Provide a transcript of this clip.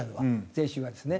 税収がですね。